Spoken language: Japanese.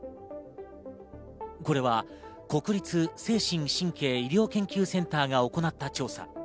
これは国立精神・神経医療研究センターが行った調査。